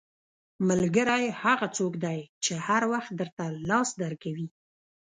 • ملګری هغه څوک دی چې هر وخت درته لاس درکوي.